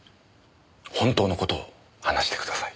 本当の事を話してください。